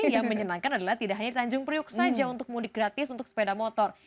yang menyenangkan adalah tidak hanya di tanjung priuk saja untuk mudik gratis untuk sepeda motor